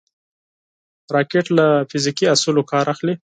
راکټ له فزیکي اصولو کار اخلي